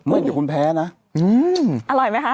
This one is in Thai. เดี๋ยวคุณแพ้นะอืมอร่อยไหมฮะ